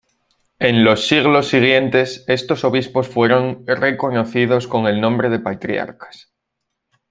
En los siglos siguientes estos obispos fueron reconocidos con el nombre de patriarcas.